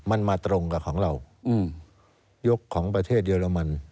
มันมาตรงกับของเรายกของประเทศเยอรมัน